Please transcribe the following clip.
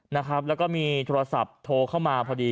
นะครับแล้วก็มีโทรศัพท์โทรเข้ามาพอดี